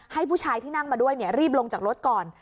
ให้ผู้ชายที่นั่งมาด้วยรีบลงจากรถก่อน